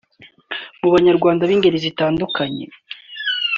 Mu banyarwanda b’ingeri zitandukanye